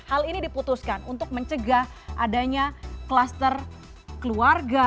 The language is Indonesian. hal ini diputuskan untuk mencegah adanya kluster keluarga